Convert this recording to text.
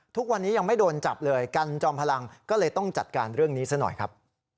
ทุกวันนี้ยังไม่โดนจับเลยกันจอมพลังก็เลยต้องจัดการเรื่องนี้ซะหน่อยครับ